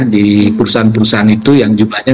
di perusahaan perusahaan itu yang jumlahnya